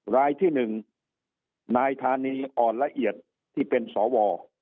รายที่๑นายธานีอ่อนละเอียดที่เป็นสว